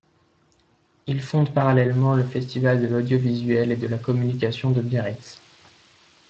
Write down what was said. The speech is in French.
Il fonde parallèlement le Festival de l'audiovisuel et de la communication de Biarritz.